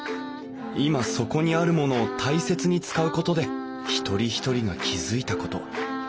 今そこにあるものを大切に使うことで一人一人が気付いたこと。